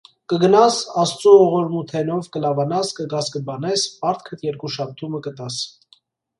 Կգնաս, աստծու օղորմութենով կլավանաս, կգաս կբանես, սլարտքդ էրկու շաբթումը կտաս: